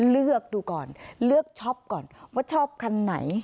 เลือกดูก่อนเลือกช็อปก่อนว่าชอบคันไหน